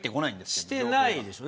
してないでしょうね。